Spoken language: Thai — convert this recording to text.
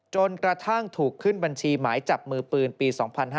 จนกระทั่งถูกขึ้นบัญชีหมายจับมือปืนปี๒๕๕๙